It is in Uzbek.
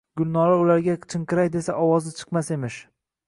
Gulnora ularga qichqiray desa ovozi chiqmas emish…